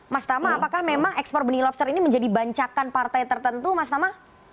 mas tama apakah ekspor abonelobster ini menjadi bancakan partai tertentu mas tama